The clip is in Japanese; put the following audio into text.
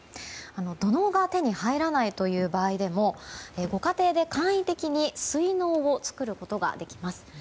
土のうが手に入らない場合でもご家庭で簡易的に水のうを作ることができます。